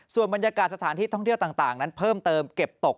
ส่วนบรรยากาศสถานที่ท่องเที่ยวต่างนั้นเพิ่มเติมเก็บตก